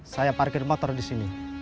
saya parkir motor di sini